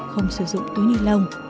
không sử dụng túi ni lông